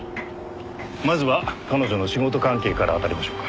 まずは彼女の仕事関係からあたりましょうか。